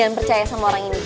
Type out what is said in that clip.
percaya sama orang ini